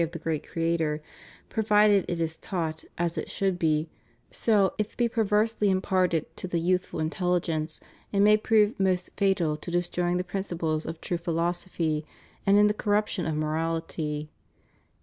of the Great Creator, provided it is taught as it should be, so, if it be perversely imparted to the youthful intelligence, it may prove most fatal in de stro3dng the principles of true philosophy and in the cor ruption of morality.